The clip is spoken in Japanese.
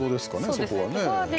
そこはね。